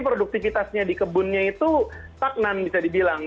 produktivitasnya di kebunnya itu taknan bisa dibilang